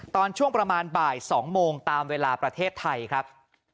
ตอนช่วงประมาณบ่าย๒โมงตามเวลาประเทศไทยครับ